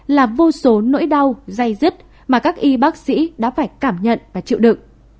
là vô số nỗi đau dây dứt mà các y bác sĩ đã phải cảm nhận và chịu đựng